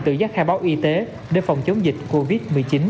tự giác khai báo y tế để phòng chống dịch covid một mươi chín